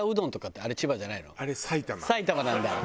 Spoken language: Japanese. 埼玉なんだ。